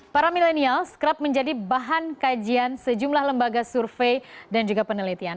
para milenial kerap menjadi bahan kajian sejumlah lembaga survei dan juga penelitian